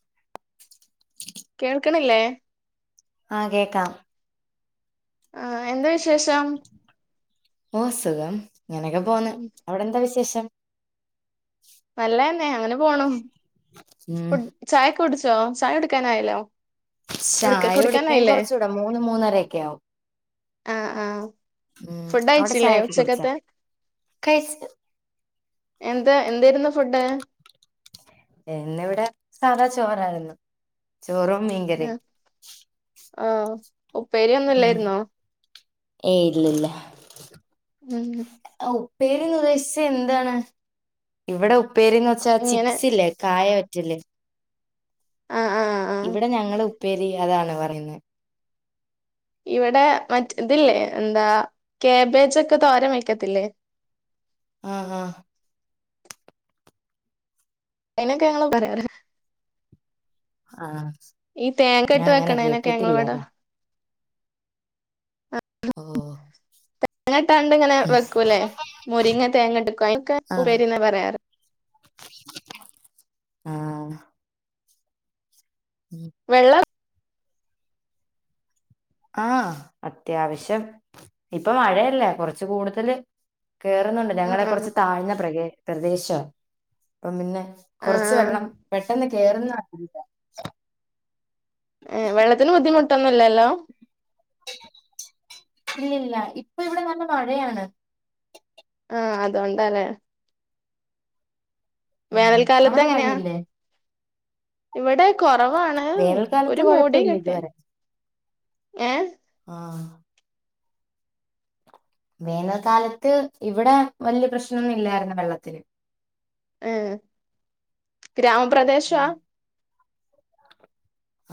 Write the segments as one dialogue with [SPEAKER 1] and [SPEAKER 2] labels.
[SPEAKER 1] [unintelligible]
[SPEAKER 2] കേൾക്കണില്ലേ
[SPEAKER 1] ആഹ് കേക്കാം
[SPEAKER 2] ആഹ് എന്താ വിശേഷം?
[SPEAKER 1] ഓഹ് സുഖം ഇങ്ങനെയൊക്കെ പോന്ന് അവിടെ എന്താ വിശേഷം
[SPEAKER 2] നല്ലയെന്നെ അങ്ങനെ പോണു
[SPEAKER 1] ഉം
[SPEAKER 2] ഫുഡ് ചായൊക്കെ കുടിച്ചോ ചായ കുടിക്കാനായല്ലോ കുടിക്ക
[SPEAKER 1] ചായ കുടിക്കാൻ
[SPEAKER 2] കുടിക്കാനായില്ലേ
[SPEAKER 1] കൊറച്ചൂടെ മൂന്ന് മൂന്നരെയൊക്കെ ആവും
[SPEAKER 2] ആഹ് ആഹ്
[SPEAKER 1] ഉം അവിടെ
[SPEAKER 2] ഫുഡയിച്ചില്ലേ
[SPEAKER 1] ചായയൊക്കെ കുടിച്ചാ
[SPEAKER 2] ഉച്ചക്കത്തെ
[SPEAKER 1] കഴിച്ച്
[SPEAKER 2] എന്താ എന്തായിരുന്ന് ഫുഡ്
[SPEAKER 1] എന്നിവിടെ സദാ ചോറായിരുന്നു ചോറും മീ
[SPEAKER 2] ഉം ആഹ്
[SPEAKER 1] ഉം ഏയ് ഇല്ലില്ലാ
[SPEAKER 2] ഉം
[SPEAKER 1] ആഹ് ഉപ്പേരീന്ന് ഉദ്ദേശിച്ച എന്താണ് ഇവിടെ ഉപ്പേരീന്ന് വെച്ചാ
[SPEAKER 2] ഇങ്ങനെ
[SPEAKER 1] ചിപ്സ് ഇല്ലേ കായ വറ്റല്
[SPEAKER 2] ആ ആ ആ
[SPEAKER 1] ഇവിടെ ഞങ്ങള് ഉപ്പേരി അതാണ് പറയുന്നെ
[SPEAKER 2] ഇവിടെ മറ്റ് ഇതില്ലേ എന്താ ക്യാബേജൊക്കെ തോരൻ വയ്ക്കത്തില്ലേ?
[SPEAKER 1] ആഹ് ആഹ്
[SPEAKER 2] അയിനൊക്കെ ഞങ്ങള് പറയാറ്
[SPEAKER 1] ആഹ്
[SPEAKER 2] ഈ തേങ്ങ
[SPEAKER 1] ഞാൻ
[SPEAKER 2] ഇട്ട്
[SPEAKER 1] അങ്ങനെ
[SPEAKER 2] വെക്കണേനൊക്കെ
[SPEAKER 1] കേട്ടിട്ടില്ല
[SPEAKER 2] ഞങ്ങളിവിടെ
[SPEAKER 1] അതാ ഓഹ്
[SPEAKER 2] അങ്ങനെട്ടാണ്ടിങ്ങനെ വെക്കൂല്ലേ മുരിങ്ങ തേങ്ങട്ട്ക്കും അതിനൊക്കെ
[SPEAKER 1] ആഹ്
[SPEAKER 2] ഉപ്പേരിന്നാ പറയാറ്
[SPEAKER 1] ആഹ് ഉം
[SPEAKER 2] വെള്ള
[SPEAKER 1] ആഹ് അത്യാവശ്യം ഇപ്പ മഴയല്ലേ കൊറച്ച് കൂടുതല് കേറുന്നുണ്ട്
[SPEAKER 2] ആഹ്
[SPEAKER 1] ഞങ്ങളെ
[SPEAKER 2] ആഹ്
[SPEAKER 1] കൊറച്ച് താഴ്ന്ന പ്രകേ പ്രദേശവാ അപ്പം പിന്നെ കൊറച്ച്
[SPEAKER 2] ആഹ്
[SPEAKER 1] വെള്ളം പെട്ടെന്ന് കേറുന്ന അറീല്ലാ
[SPEAKER 2] ഏഹ് വെള്ളത്തിന് ബുദ്ധിമുട്ടൊന്നും ഇല്ലല്ലോ
[SPEAKER 1] ഇല്ലല്ല ഇപ്പൊ ഇവിടെ നല്ല മഴയാണ്
[SPEAKER 2] ആഹ് അത്കൊണ്ടാല്ലേ
[SPEAKER 1] ഉം
[SPEAKER 2] വേനൽക്കാലത്ത്
[SPEAKER 1] അവിടെ
[SPEAKER 2] എങ്ങനെയാ
[SPEAKER 1] മഴയില്ലേ
[SPEAKER 2] ഇവിടെ കൊറവാണ്
[SPEAKER 1] വേനൽക്കാലത്ത്
[SPEAKER 2] ഒരു മൂടി
[SPEAKER 1] കുഴപ്പമില്ല
[SPEAKER 2] കെട്ടിയ
[SPEAKER 1] ഇതുവരെ
[SPEAKER 2] ഏഹ്
[SPEAKER 1] ആഹ് വേനൽ കാലത്ത് ഇവിടെ വല്യ പ്രശ്നവൊന്നു ഇല്ലായിരുന്നു വെള്ളത്തിന്
[SPEAKER 2] ഏഹ് ഗ്രാമപ്രദേശവാ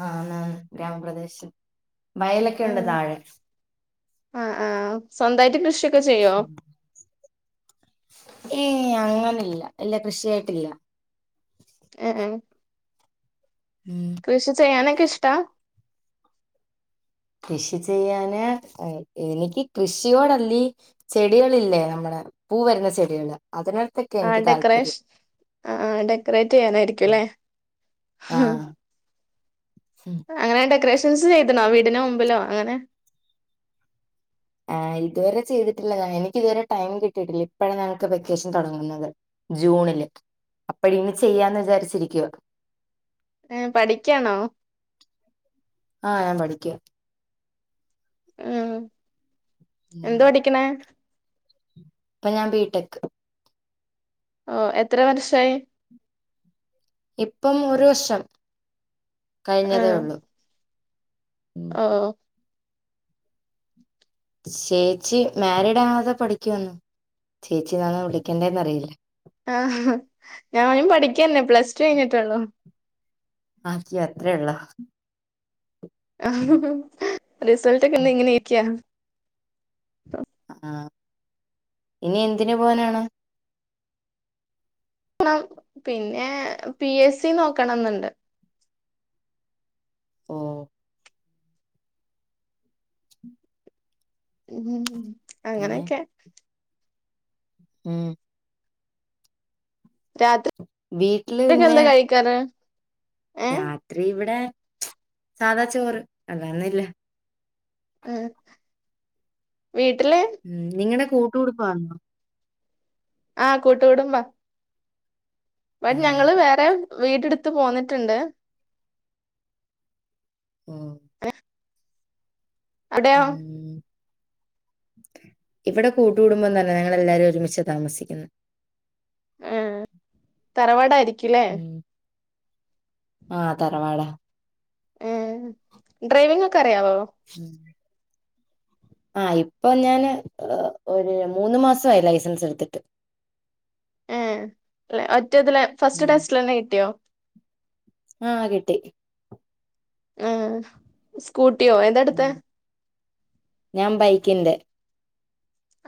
[SPEAKER 1] ആന്നാന്ന് ഗ്രാമപ്രദേശം വയലൊക്കെ ഒണ്ട്
[SPEAKER 2] ഉം
[SPEAKER 1] താഴെ
[SPEAKER 2] ആഹ് ആഹ് സ്വന്തായിട്ട് കൃഷിയൊക്കെ ചെയ്യോ?
[SPEAKER 1] ഏഹ് അങ്ങനെല്ലാ ഇല്ലാ കൃഷിയായിട്ടില്ലാ
[SPEAKER 2] ഏഹ് ഏഹ്
[SPEAKER 1] ഉം
[SPEAKER 2] കൃഷി ചെയ്യാനൊക്കെ ഇഷ്ടാ
[SPEAKER 1] കൃഷി ചെയ്യാന് എനിക്ക് കൃഷിയോടല്ലീ ചെടികളില്ലേ നമ്മള പൂ വരുന്ന ചെടികള് അതിനോടുത്ത
[SPEAKER 2] ആ ഡെക്കറേഷൻ ആ ഡെക്കറേറ്റ് ചെയ്യാനായിരിക്കും അല്ലേ
[SPEAKER 1] ആഹ്
[SPEAKER 2] അങ്ങനെ ഡെക്കറേഷൻസ് ചെയ്തണോ വീടിൻ്റെ മുമ്പിലോ അങ്ങനെ
[SPEAKER 1] ആ ഇതുവരെ ചെയ്തിട്ടില്ല ഞാൻ എനിക്ക് ഇതുവരെ ടൈം കിട്ടിയിട്ടില്ല ഇപ്പോഴാണ് ഞങ്ങൾക്ക് വെക്കേഷൻ തുടങ്ങുന്നത് ജൂണില് അപ്പ ഇനി ചെയ്യാന്ന് വിചാരിച്ചിരിക്കുവ
[SPEAKER 2] ഏ പഠിക്കയാണോ
[SPEAKER 1] ആഹ് ഞാൻ പഠിക്കാ
[SPEAKER 2] ഉം
[SPEAKER 1] ഉം
[SPEAKER 2] എന്ത് പഠിക്കണെ
[SPEAKER 1] ഇപ്പൊ ഞാൻ ബിടെക്
[SPEAKER 2] ഓ എത്ര വർഷായി
[SPEAKER 1] ഇപ്പം ഒരു വർഷം കഴിഞ്ഞതേ ഉള്ളൂ
[SPEAKER 2] ഓ
[SPEAKER 1] ചേച്ചി മാരിഡ് ആണോ അതൊ പഠിക്കുവാണോ ചേച്ചി എന്നാണോ വിളിക്കണ്ടേന്നറിയില്ല
[SPEAKER 2] ആഹ് ഞാനും പഠിക്കന്നെ പ്ലസ്ടു കഴിഞ്ഞിട്ടെള്ളു
[SPEAKER 1] അയ്യോ അത്രേയുള്ളോ
[SPEAKER 2] ആഹ് റിസൾറ്റക്ക ഇന്ന ഇങ്ങനെയിരിക്കിയാ
[SPEAKER 1] ആഹ് ഇനി എന്തിന് പോവാനാണ്
[SPEAKER 2] പോണം പിന്നെ പി എസ് സി നോക്കണന്നുണ്ട്
[SPEAKER 1] ഓ
[SPEAKER 2] ഉം
[SPEAKER 1] പിന്നെ
[SPEAKER 2] അങ്ങനെയൊക്കെ
[SPEAKER 1] ഉം വീട്ടില്
[SPEAKER 2] രാത്രിക്കെ
[SPEAKER 1] പിന്നെ
[SPEAKER 2] ന്താ കഴിക്കാറ് ഏഹ്
[SPEAKER 1] രാത്രി ഇവിടെ സാധാ ചോറ് അല്ലന്നുവില്ല
[SPEAKER 2] ഉം വീട്ടില്
[SPEAKER 1] ഉം നിങ്ങടെ കൂട്ടു കുടുംബആന്നൊ
[SPEAKER 2] ആഹ് കൂട്ടുകൂടുംബ ഇപ്പൊ
[SPEAKER 1] ആഹ്
[SPEAKER 2] ഞങ്ങള് വേറെ വീടടുത്ത് പോന്നിട്ടുണ്ട്
[SPEAKER 1] ഉം
[SPEAKER 2] അവിടെയോ
[SPEAKER 1] ഉം ഇവിടെ കൂട്ട്കുടുംബം തന്ന ഞങ്ങളെല്ലാവരും ഒരുമിച്ച താമസിക്കുന്ന
[SPEAKER 2] ആഹ് തറവാടയിരിക്കൂല്ലേ
[SPEAKER 1] ഉം ആഹ് തറവാടാ
[SPEAKER 2] ഉം ഡ്രൈവിഗ് ഒക്കെ അറിയാവോ
[SPEAKER 1] [inaudible] ആഹ് ഇപ്പൊ ഞാന് ഒരു മൂന്ന് മാസായി ലൈസൻസ് എടുത്തിട്ട്
[SPEAKER 2] ഏ അല്ല ഒറ്റ ഇതില് ഫസ്റ്റ്
[SPEAKER 1] ഉം
[SPEAKER 2] ടെസ്റ്റിലന്നെ കിട്ടിയോ
[SPEAKER 1] ആഹ് കിട്ടി
[SPEAKER 2] ആഹ് സ്കൂട്ടിയോ ഏതാടുത്തെ
[SPEAKER 1] ഉം ഞാൻ ബൈക്കിന്റെ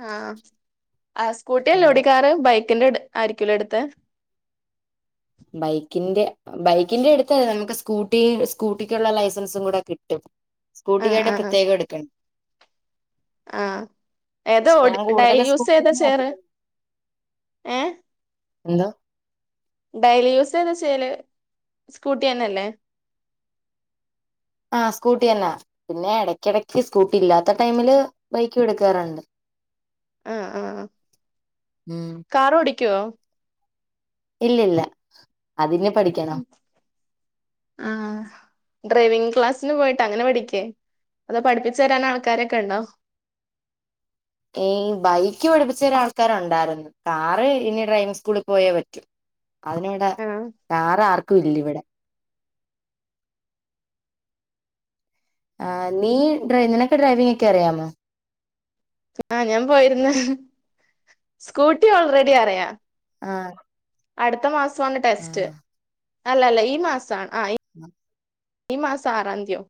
[SPEAKER 2] ആഹ് ആ
[SPEAKER 1] ഉം
[SPEAKER 2] സ്കൂട്ടില്ലോടികാറ് ബൈക്കിന്റെ ട് ആയിരിക്കൂല്ലേടുത്തെ
[SPEAKER 1] ബൈക്കിന്റെ ബൈക്കിന്റെ ടുത്ത് നമുക്ക് സ്കൂട്ടി സ്കൂട്ടിക്കുള്ള ലൈസൻസും കൂടെ കിട്ടും
[SPEAKER 2] ആഹ്
[SPEAKER 1] സ്കൂട്ടിാർഡ്
[SPEAKER 2] ആഹ്
[SPEAKER 1] പ്രത്യേക എടുക്കണം
[SPEAKER 2] ആഹ് ഏതോ
[SPEAKER 1] പക്ഷെ
[SPEAKER 2] ഓ
[SPEAKER 1] ഞാൻ
[SPEAKER 2] ഡൈ
[SPEAKER 1] കൂടുതലും
[SPEAKER 2] യൂസ്
[SPEAKER 1] സ്കൂട്ടി
[SPEAKER 2] ചെയ്താ
[SPEAKER 1] തന്നെ
[SPEAKER 2] ചേറ്
[SPEAKER 1] ഓട്ടിക്കുന്നത്
[SPEAKER 2] ഏഹ
[SPEAKER 1] എന്തോ
[SPEAKER 2] ഡെയിലി യൂസ് ഏതാ ചെയ്യല് സ്കൂട്ടിന്നെല്ലേ
[SPEAKER 1] ആഹ് സ്കൂട്ടിന്നെ പിന്നെ ഇടക്കിടക്ക് സ്കൂട്ടി ഇല്ലാത്ത ടൈമില് ബൈക്ക്ടുക്കാറുണ്ട്
[SPEAKER 2] ആഹ് ആഹ്
[SPEAKER 1] മം
[SPEAKER 2] കാറോടിക്കോ
[SPEAKER 1] ഇല്ല ഇല്ല അതിഞ്ഞ് പഠിക്കണം
[SPEAKER 2] ആഹ് ഡ്രൈവിങ് ക്ലാസ്സിന് പോയിട്ട് അങ്ങനെ പഠിക്കേ അതോ പഠിപ്പിച്ചുരാൻ ആൾക്കാരൊക്കെ ഉണ്ടോ
[SPEAKER 1] ഈ ബൈക്ക് പഠിപ്പിച്ചൊരാ ആൾക്കാരുണ്ടാരുന്നു കാറ് ഇനി ഡ്രൈവിംഗ് സ്കൂളിൽ പോയേ പറ്റൂ അതിനിവിടെ
[SPEAKER 2] ആഹ്
[SPEAKER 1] കാറാർക്കും ഇല്ലവിടെ ആഹ് നി ഡ്രൈ നിന ഡ്രൈവിംക്കെ അറിയാമോ
[SPEAKER 2] ആഹ് ഞാൻ പോയിര്ന്ന് സ്കൂട്ടി ഓൾറെഡി അറിയാം
[SPEAKER 1] ആഹ്
[SPEAKER 2] അടുത്ത മാസമാണ് ടെസ്റ്റ് അല്ല അല്ല ഈ മാസ ആ ഈ മാ
[SPEAKER 1] ഉം
[SPEAKER 2] ഈ മാസം ആറാംതിയോ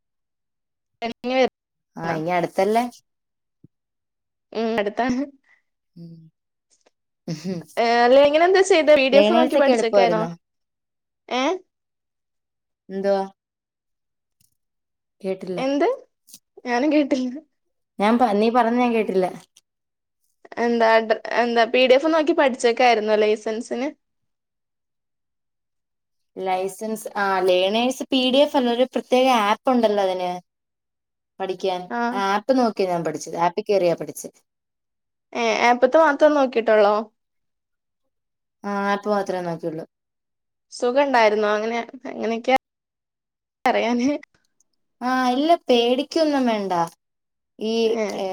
[SPEAKER 1] ആഹ് ഈ അടുത്തല്ലേ
[SPEAKER 2] ഉം അടുത്താണ്
[SPEAKER 1] ഉം
[SPEAKER 2] അല്ലേ എങ്ങനെ എന്താ ചെയ്ത വി ഡി എഫ് നോക്കി
[SPEAKER 1] ലേണേഴ്സ് ഒക്കെ
[SPEAKER 2] പഠിച്ചേക്കായിനോ
[SPEAKER 1] എളുപ്പമായിരുന്നോ
[SPEAKER 2] ഏ
[SPEAKER 1] എന്തുവാ കേട്ടില്ല
[SPEAKER 2] എന്ത് ഞാനും കേട്ടില്ല
[SPEAKER 1] ഞാൻ പ നീ പറഞ്ഞ ഞാൻ കേട്ടില്ല
[SPEAKER 2] എന്താ അഡ എന്താ പി ഡി എഫ് നോക്കി പഠിച്ചക്കരുന്നോ ലൈസൻസിന്
[SPEAKER 1] ലൈസൻസ് ആ ലേണേഴ്സ് പി ഡി എഫ് അല്ല ഒരു പ്രത്യേക ആപ്പ് ഉണ്ടല്ലോ അതിന്. പഠിക്കാൻ
[SPEAKER 2] ആ
[SPEAKER 1] ആപ്പ് നോക്കിയാ ഞാൻ പഠിച്ചത് ആപ്പ് കയറിയാ പഠിച്ച്.
[SPEAKER 2] ഏയ് ആപ്പിൽ ത്തെ മാത്രം നോക്കിയിട്ടുള്ളോ.
[SPEAKER 1] ആഹ് ആപ്പ് മാത്രേ നോക്കിയുള്ളൂ.
[SPEAKER 2] സുഖ ഉണ്ടായിുന്നോ അങ്ങനെ എങ്ങനെ യൊക്കെയാ അറിയാന്.
[SPEAKER 1] ആഹ് അല്ല പേടിക്കൊന്നും വേണ്ട ഈ ഏ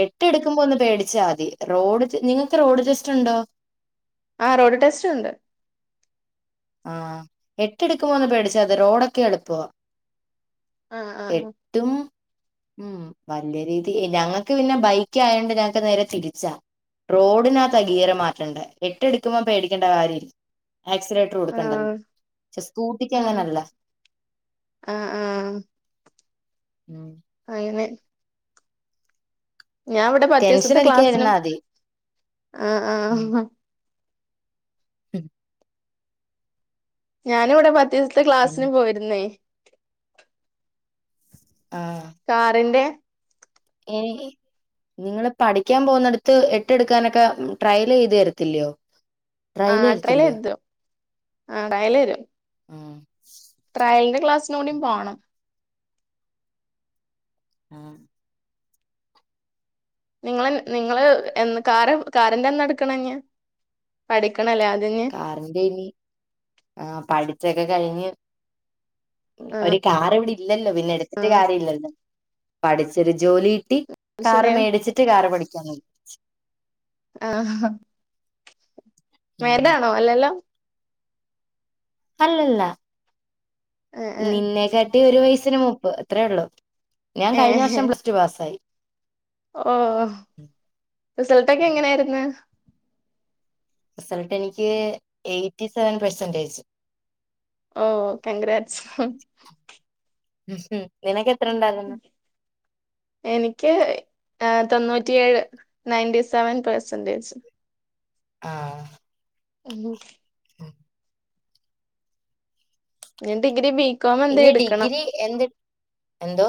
[SPEAKER 1] എ ട്ട്എടുക്കുമ്പോ ഒന്ന് പേടിച്ചാൽ മതി. റോഡ് നിങ്ങൾക്ക് റോഡ് ടെസ്റ്റ് ഉണ്ടോ?
[SPEAKER 2] ആ റോഡ് ടെസ്റ്ററ്റ് ഉണ്ട്.
[SPEAKER 1] ആഹ് എട്ടെടുക്കുമ്പോ ഒന്ന് പേടിച്ചാൽ അത്. റോഡൊക്കെ എളുപ്പമാ.
[SPEAKER 2] ആഹ് ആഹ ആ
[SPEAKER 1] ട്ടും. ഉം വല്യ രീതി ഞങ്ങക്ക് പിന്നെ ബൈക്ക് ആയോണ്ട് ഞങ്ങക്ക് നേരെ തിരിച്ചാ. റോഡിനകത്താ ഗീറ് മാറ്റേണ്ട് എട്ട് എടുക്കുമ്പോ പേടിക്കേണ്ട കാര്യം ല് ആക്സിഡേറ്ററ്
[SPEAKER 2] ആ
[SPEAKER 1] ടണ്ടൺ ചെ സ്കൂട്ടിക്ക്
[SPEAKER 2] ആ
[SPEAKER 1] അങ്ങനെ അല്ല.
[SPEAKER 2] ആ ആ
[SPEAKER 1] ഉം.
[SPEAKER 2] അയ്നെ. ഞാൻ ഇവിടെ പത്ത്
[SPEAKER 1] ടെൻഷൻ
[SPEAKER 2] ദിവസത്തെ ക്ലാസ്സിനും
[SPEAKER 1] അടിക്കാതിരുന്നാ മതി
[SPEAKER 2] ആ ആഹ്.
[SPEAKER 1] ശം [inaudible]
[SPEAKER 2] ഞാൻ ഇവിടെ പത്ത് ദിവസത്തെ
[SPEAKER 1] പിന്നെ
[SPEAKER 2] ക്ലാസ്സിനു പോയിരുന്നേയ്.
[SPEAKER 1] ആഹ.
[SPEAKER 2] കാറിന്റെ.
[SPEAKER 1] ഏയ്‌ഹി. നിങ്ങള് പഠിക്കാൻ പോവുന്നടുത്ത് എട്ട് എടുക്കാനൊക്കെ ട്രയൽ ചെയ്ത് തരത്തില്ലയോ?
[SPEAKER 2] ആ
[SPEAKER 1] ട്രയൽ
[SPEAKER 2] ട്രയല്
[SPEAKER 1] തരത്തില്ലയോ
[SPEAKER 2] എതും ആ ട്രയൽ തരും.
[SPEAKER 1] ഉം സ്.
[SPEAKER 2] ട്രയലിന്റെ ക്ലാസിനു കൂടിം പോകണം.
[SPEAKER 1] ആഹ്
[SPEAKER 2] നിങ്ങള് നിങ്ങള് എൻ കാറ് കാറ് എന്റെന്നാ എടുക്കണേ നി പഠിക്കണല്ലേ അത് ഞ്ഞി
[SPEAKER 1] പറണ്ട് ഇനി ആ പഠിച്ചൊക്കെ കഴിഞ്ഞ്.
[SPEAKER 2] ആ
[SPEAKER 1] ഒരു കാർ ഇവിടെ ഇല്ലല്ലോ പിന്നെ
[SPEAKER 2] ആ
[SPEAKER 1] എടുത്തിട്ട് കാര്യ ഇല്ലല്ലോ. പഠിച്ചൊരു ജോലിയിട്ടി കാറ്
[SPEAKER 2] ശരിയാണ്
[SPEAKER 1] മേടിച്ചിട്ട് കാറ് പഠിക്കാ നി.
[SPEAKER 2] ആഹ
[SPEAKER 1] ഉം
[SPEAKER 2] മോലോആണോ അല്ലല്ലോ.
[SPEAKER 1] അല്ലല്ല
[SPEAKER 2] ഏ
[SPEAKER 1] നിന്നെക്കാട്ടി ഒരു വയസിന് മുപ്പ് അത്രയേ ഉള്ളൂ. ഞാൻ
[SPEAKER 2] ഏ
[SPEAKER 1] കഴിഞ്ഞ വർഷം പ്ലസ്ടു പാസ്സായി.
[SPEAKER 2] ഓഹ് റിസൾട്ടൊക്കെ എങ്ങനെയായിരുന്നു.
[SPEAKER 1] റിസൾട്ട് എനിക്ക് എയ്റ്റി സെവൻ പെഴ്സന്റേജ്.
[SPEAKER 2] ഓ കംങ്ക്രാറ്റ്സ്.
[SPEAKER 1] ഉം ഹും നിനക്ക് എത്ര ഉണ്ടായിരുന്നു.
[SPEAKER 2] എനിക്ക് തൊണ്ണൂറ്റിയേഴ് നയന്റീ സെവൻ പെഴ്സെന്റേജ്.
[SPEAKER 1] ആഹ്.
[SPEAKER 2] ഉം.
[SPEAKER 1] [inaudible]
[SPEAKER 2] ഞൻ ഡിഗ്രി ബി
[SPEAKER 1] ഇനി ഡിഗ്രി എന്ത് എന്തോ.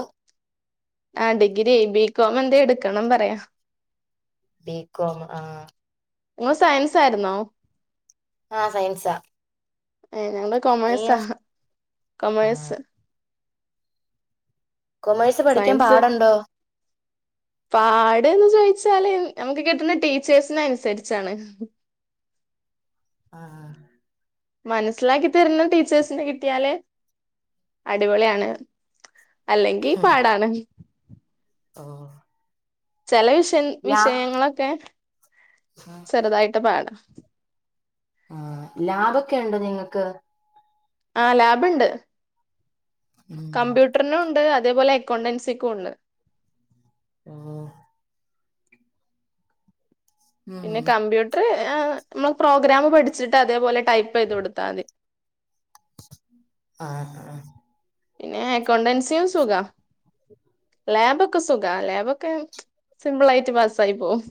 [SPEAKER 2] ആ ഡിഗ്രി ബികോം എന്തേ എടുക്കണം പറയാ.
[SPEAKER 1] ബികോം ആഹ.
[SPEAKER 2] മോൻ സയൻസ് ആയിരുന്നോ.
[SPEAKER 1] ആഹ സയൻസാ.
[SPEAKER 2] ഏ ഞങ്ങള് കൊമേഴ്സാ
[SPEAKER 1] നീയോ
[SPEAKER 2] കൊമേഴ്സ്.
[SPEAKER 1] കൊമേഴ്സ് പഠിക്കാൻ
[SPEAKER 2] സയൻസ്
[SPEAKER 1] പാട്ണ്ടോ.
[SPEAKER 2] പാട്ന്ന് ചോദിച്ചാല് നമുക്ക് കിട്ടുന്ന ടീച്ചേഴസിന അനുസരിച്ചാണ്.
[SPEAKER 1] ആഹ് ആഹ്
[SPEAKER 2] മനസ്സിലാക്കി തരുന്ന ടീച്ചേഴ്സിന് കിട്ടിയാല് അടിപൊളിയാണ്. അല്ലെങ്കി പാടാണ്.
[SPEAKER 1] ഓഹ്
[SPEAKER 2] ചില വിഷൻ
[SPEAKER 1] ലാ
[SPEAKER 2] വിഷയങ്ങളൊക്കെ ചെറുതായിട്ട് പാടാം
[SPEAKER 1] ആഹ് ലാബ്ക്കെ ഉണ്ടോ നിങ്ങൾക്ക്.
[SPEAKER 2] ആഹ് ലാബ്ണ്ട്.
[SPEAKER 1] ഉം
[SPEAKER 2] കമ്പ്യൂട്ടറിനും ഉണ്ട് അതേപോലെ അക്കൗണ്ടൻസിക്കും ഉണ്ട്.
[SPEAKER 1] അഹ് ഉം
[SPEAKER 2] പിന്നെ കമ്പ്യൂട്ടർ നമ്മോ പ്രോഗ്രാം പഠിച്ചിട്ട് അതേപോലെ ടൈപ്പ് ചെയ്ത് കൊടുത്താൽ മതി.
[SPEAKER 1] ആഹ് ആഹ്
[SPEAKER 2] പിന്നെ എക്കൗണ്ടൻസിയും സുഖ ലാബൊക്കെ സുഖ ലാബൊക്കെ സിംമ്പിൾ ആയിട്ട് പാസ്സായി പോവും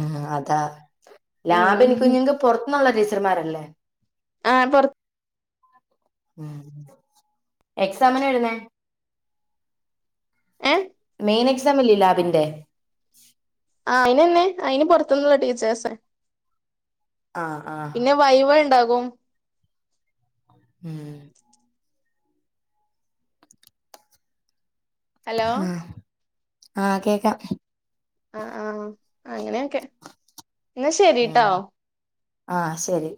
[SPEAKER 1] ഉം അതാ ലാബ്
[SPEAKER 2] ഉം
[SPEAKER 1] എനിക്ക [unintelligible] പുറത്തന്നുള്ള ടീച്ചർമാരല്ലേ
[SPEAKER 2] ആഹ് പുറ
[SPEAKER 1] ഉം എക്സാമിന് വരുന്നേ
[SPEAKER 2] ഏഹ്
[SPEAKER 1] മെയിൻ എക്സാം ഇല്ലേ ലാബിന്റെ
[SPEAKER 2] ആഹ് അയിനന്നെ അയിന് പുറത്തുന്നള്ള ടീച്ചേഴ്സേ
[SPEAKER 1] ആഹ് ആഹ്
[SPEAKER 2] ഫൈവെ ഉണ്ടാകും
[SPEAKER 1] ഉം
[SPEAKER 2] ഹലോ
[SPEAKER 1] ആഹ് ആഹ് കേക്കാം
[SPEAKER 2] ആഹ് ആഹ് അങ്ങനെയൊക്കെ ഇന്നാ
[SPEAKER 1] ഉം
[SPEAKER 2] ശരിട്ടോ
[SPEAKER 1] ആഹ് ശരി